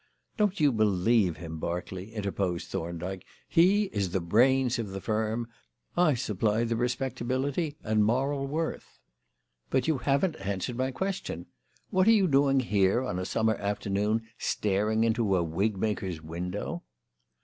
"Don't you believe him, Berkeley," interposed Thorndyke. "He is the brains of the firm. I supply the respectability and moral worth. But you haven't answered my question. What are you doing here on a summer afternoon staring into a wigmaker's window?"